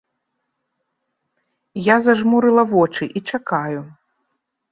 Я зажмурыла вочы і чакаю.